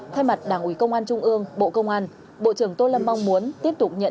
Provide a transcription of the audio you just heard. thay mặt đảng ủy công an trung ương bộ công an bộ trưởng tô lâm mong muốn tiếp tục nhận